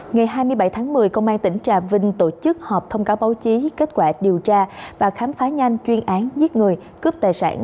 ngày hai mươi bảy tháng một mươi công an tỉnh trà vinh tổ chức họp thông cáo báo chí kết quả điều tra và khám phá nhanh chuyên án giết người cướp tài sản